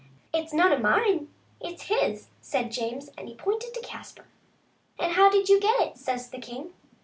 " It's none of mine, it's his," said James, and he pointed to Caspar. " And how did you get it?" says the king.